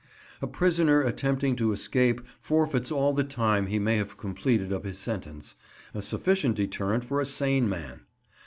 A prisoner attempting to escape forfeits all the time he may have completed of his sentence—a sufficient deterrent for a sane man!